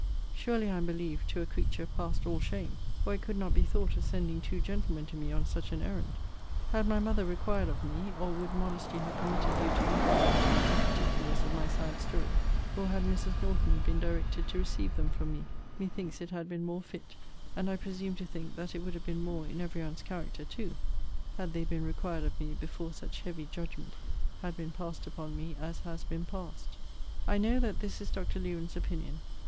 Surely I am believed to a creature past all shame, or it could not be thought of sending two gentlemen to me on such an errand. Had my mother required of me (or would modesty have permitted you to inquire into) the particulars of my sad story, or had Mrs. Norton been directed to receive them from me, methinks it had been more fit: and I presume to think that it would have been more in every one's character too, had they been required of me before such heavy judgment had been passed upon me as has been passed. I know that this is Dr. Lewen's opinion.